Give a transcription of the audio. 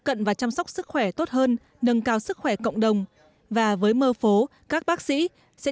cận và chăm sóc sức khỏe tốt hơn nâng cao sức khỏe cộng đồng và với mơ phố các bác sĩ sẽ